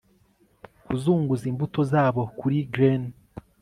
Kuzunguza imbuto zabo kuri glen